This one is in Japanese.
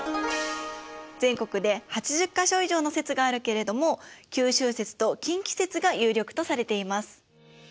全国で８０か所以上の説があるけれども九州説と近畿説が有力とされています。